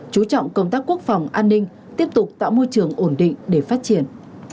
chú trọng công tác quốc phòng an ninh tiếp tục tạo môi trường ổn định để phát triển